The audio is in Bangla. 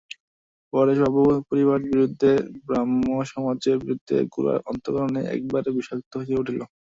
পরেশবাবুর পরিবারদের বিরুদ্ধে, ব্রাহ্মসমাজের বিরুদ্ধে, গোরার অন্তঃকরণ একেবারে বিষাক্ত হইয়া উঠিল।